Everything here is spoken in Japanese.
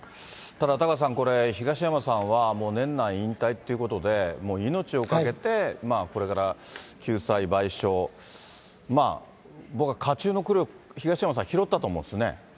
ただ、タカさん、これ、東山さんは年内引退ということで、命を懸けてこれから救済、賠償、僕は火中の栗を東山さん、拾ったと思うんですね。